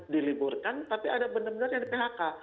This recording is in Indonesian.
diliburkan tapi ada benar benar yang di phk